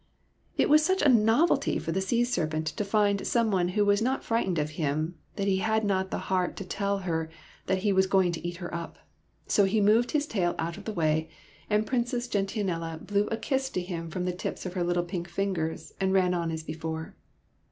It was such a novelty for the sea serpent to find some one who was not frightened of him, that he had not the heart to tell her that he 94 SOMEBODY ELSFS PRINCE was just going to eat her up. So he moved his tail out of the way, and Princess Gentian ella blew a kiss to him from the tips of her little pink fingers and ran on as before.